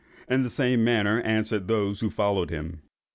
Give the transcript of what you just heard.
In the same manner answered those who followed him.